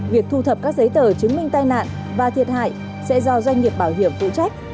việc thu thập các giấy tờ chứng minh tai nạn và thiệt hại sẽ do doanh nghiệp bảo hiểm phụ trách